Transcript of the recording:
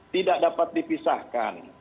tidak dapat dipisahkan